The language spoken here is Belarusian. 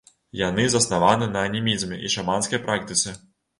Яны заснаваны на анімізме і шаманскай практыцы.